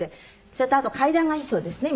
それとあと階段がいいそうですね